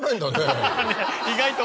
意外と。